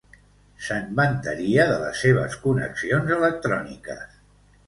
Se'n vantaria, de les seves connexions electròniques.